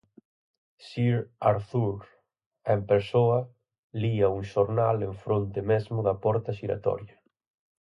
Sir Arthur, en persoa, lía un xornal enfronte mesmo da porta xiratoria.